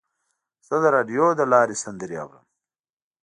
زه د راډیو له لارې سندرې اورم.